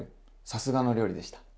さすがの料理でした。